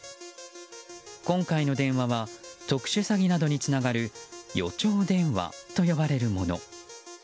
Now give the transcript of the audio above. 今回の電話は特殊詐欺などにつながる予兆電話と呼ばれるもの。